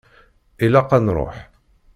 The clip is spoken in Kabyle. Ilaq ad nruḥ.